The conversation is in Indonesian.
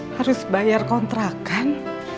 harus bayar kontrakan